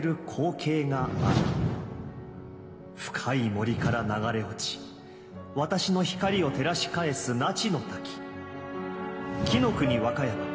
深い森から流れ落ち私の光を照らし返す那智の滝。